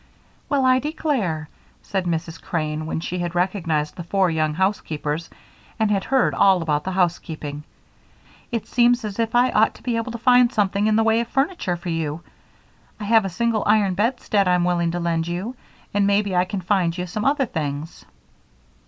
"Well, I declare!" said Mrs. Crane, when she had recognized the four young housekeepers and had heard all about the housekeeping. "It seems as if I ought to be able to find something in the way of furniture for you. I have a single iron bedstead I'm willing to lend you, and maybe I can find you some other things."